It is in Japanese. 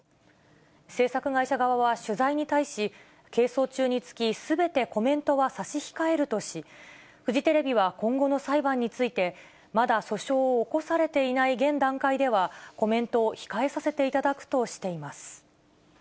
制作会社側は取材に対し、係争中につき、すべてコメントは差し控えるとし、フジテレビは今後の裁判について、まだ訴訟を起こされていない現段階では、コメントを控えさせていただくとしています。